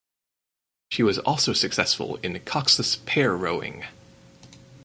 She was also successful in coxless pair rowing.